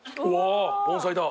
盆栽だ。